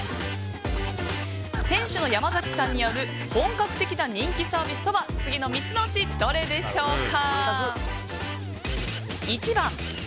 店主の山崎さんによる本格的な人気サービスとは次の３つのうち、どれでしょうか。